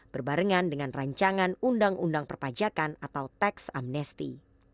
berbarengan dengan rancangan undang undang perpajakan atau teks amnesti